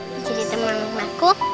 menjadi teman rumahku